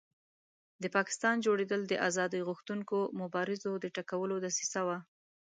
د پاکستان جوړېدل د آزادۍ غوښتونکو مبارزو د ټکولو دسیسه وه.